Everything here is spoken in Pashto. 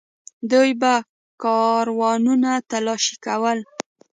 دوی به کاروانونه تالاشي کول.